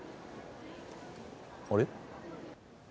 あれ？